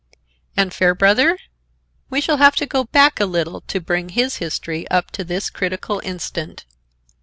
And Fairbrother? We shall have to go back a little to bring his history up to this critical instant.